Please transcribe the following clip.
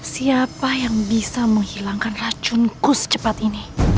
siapa yang bisa menghilangkan racunku secepat ini